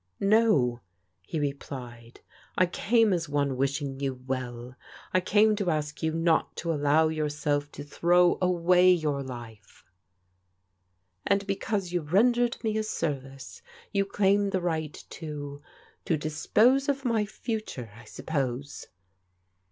"" No,*' he replied, " I came as one wishing you well. I came to ask you not to allow yourself to throw away your life. " And because you rendered me a set\\c^ ^qm A'iflDDL « 252 PRODIGAL DAUGHTBES the right to — to dispose of my futtire, I suppose."